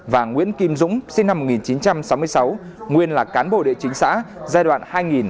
và nguyễn kim dũng sinh năm một nghìn chín trăm sáu mươi sáu nguyên là cán bộ địa chính xã giai đoạn hai nghìn hai nghìn một mươi năm